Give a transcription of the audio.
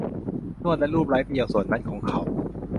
นวดและลูบไล้ไปยังส่วนนั้นของเขา